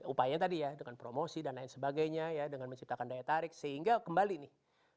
upaya tadi ya dengan promosi dan lain sebagainya ya dengan menciptakan daya tarik sehingga kembali nih